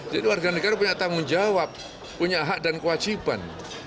jadi warga negara punya tanggung jawab punya hak dan kewajiban